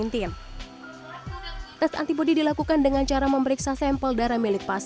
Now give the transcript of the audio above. tes antibody dilakukan dengan cara memeriksa sampel darah milik pasien